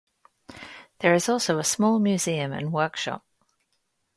There is also a small museum and workshop.